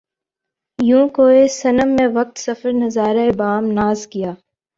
یوں کوئے صنم میں وقت سفر نظارۂ بام ناز کیا